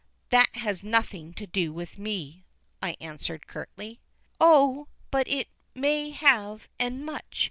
"That has nothing to do with me," I answered curtly. "Oh, but it may have, and much.